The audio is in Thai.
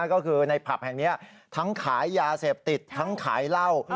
ก็คือในผับแห่งนี้ทั้งขายยาเสพติดทั้งขายเหล้า